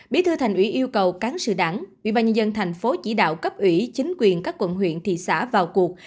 bí thư thành ủy yêu cầu cán sự đẳng ubnd tp chỉ đạo cấp ủy chính quyền các quận huyện thị xã vào cuộc